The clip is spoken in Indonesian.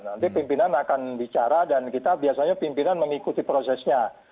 nanti pimpinan akan bicara dan kita biasanya pimpinan mengikuti prosesnya